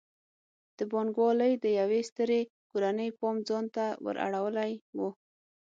د بانک والۍ د یوې سترې کورنۍ پام ځان ته ور اړولی و.